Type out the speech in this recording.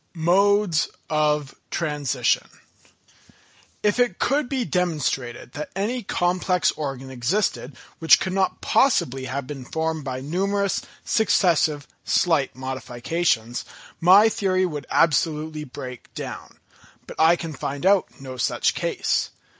Modes of Transition. If it could be demonstrated that any complex organ existed, which could not possibly have been formed by numerous, successive, slight modifications, my theory would absolutely break down. But I can find out no such case.